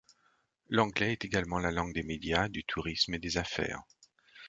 L'anglais est également la langue des médias, du tourisme et des affaires.